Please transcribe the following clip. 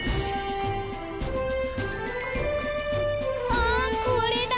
あっこれだ！